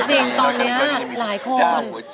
จริงตอนนี้หลายคน